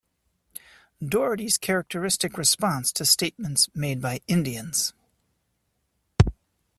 Daugherty's characteristic response to statements made by Indians.